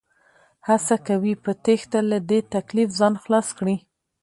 هڅه کوي په تېښته له دې تکليف ځان خلاص کړي